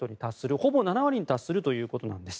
ほぼ７割に達するということなんです。